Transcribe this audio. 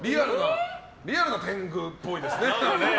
リアルな天狗っぽいですね。